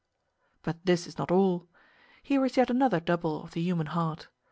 But this is not all: here is yet another double of the human heart.